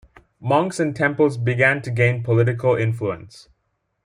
Monks and temples began to gain political influence.